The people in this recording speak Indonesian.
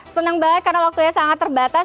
senang banget karena waktunya sangat terbatas